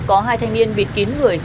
có hai thanh niên bịt kín người